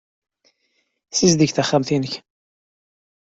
Ssizdeg taxxamt-nnek.